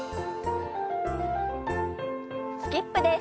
スキップです。